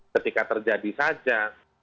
ketika terjadi saja